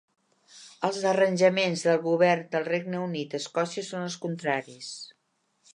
Els arranjaments del Govern del Regne Unit a Escòcia són els contraris.